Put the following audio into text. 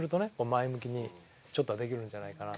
前向きにちょっとはできるんじゃないかなと。